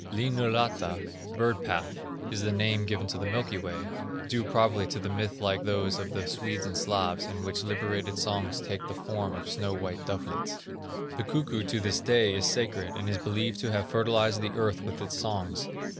Linnunrata (bird path) is the name given to the Milky way, due probably to a myth like those of the Swedes and Slavs, in which liberated songs take the form of snow white dovelets. The cuckoo to this day is sacred, and is believed to have fertilized the earth with his songs.